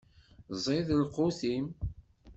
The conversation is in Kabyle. Ẓid lqut-im.